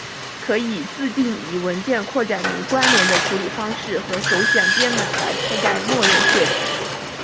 可以自定义文件扩展名关联的处理方式和首选的编码来覆盖默认设置。